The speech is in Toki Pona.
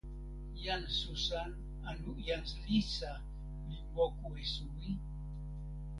jan Susan anu jan Lisa li moku e suwi?